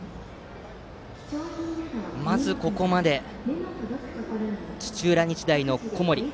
ここまで、土浦日大の小森。